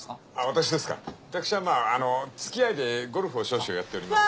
私はまああのうつきあいでゴルフを少々やっております。